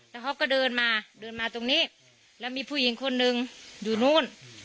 แล้วเขาก็เดินมาเดินมาตรงนี้แล้วมีผู้หญิงคนหนึ่งอยู่นู้น